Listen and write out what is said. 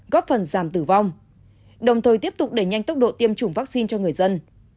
góp phần giảm tử vong đồng thời tiếp tục đẩy nhanh tốc độ tiêm chủng vaccine cho người dân